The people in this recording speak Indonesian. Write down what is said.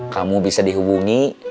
kamu bisa dihubungi